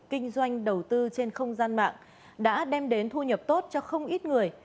kinh doanh đầu tư trên không gian mạng đã đem đến thu nhập tốt cho không ít người